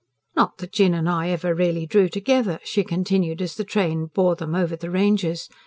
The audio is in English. "Not that Jinn and I ever really drew together," she continued as the train bore them over the ranges.